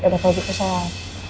ya ada pagi kesel